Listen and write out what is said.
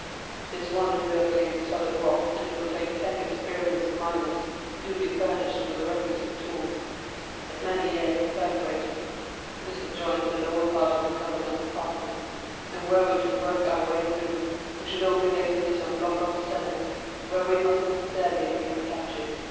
"This one is built against the solid rock, and it would take ten experienced miners, duly furnished with the requisite tools, as many years to perforate it. This adjoins the lower part of the governor's apartments, and were we to work our way through, we should only get into some lock up cellars, where we must necessarily be recaptured.